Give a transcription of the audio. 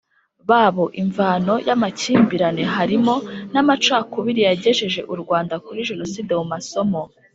babo imvano y amakimbirane harimo n amacakubiri yagejeje u Rwanda kuri Jenoside Mu masomo